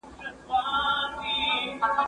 زه اوس د کتابتون پاکوالی کوم؟